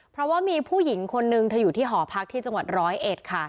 เพราะว่ามีผู้หญิงคนนึงเธออยู่ที่หอพักที่จังหวัดร้อยเอ็ดค่ะ